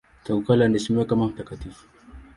Tangu kale anaheshimiwa kama mtakatifu.